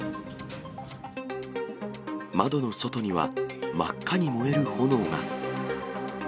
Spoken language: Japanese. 窓の外には真っ赤に燃える炎が。